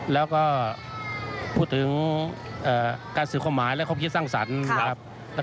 แล้วก็พูดถึงการสื่อความหมายและความคิดสร้างสรรค์นะครับ